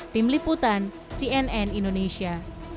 tim liputan cnn indonesia